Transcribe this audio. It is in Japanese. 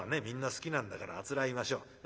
みんな好きなんだからあつらえましょう。